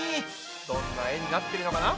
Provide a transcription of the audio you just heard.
どんな絵になってるのかな？